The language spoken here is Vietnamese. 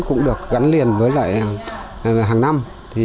cũng được gắn liền với lại hàng năm